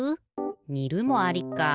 にるもありか。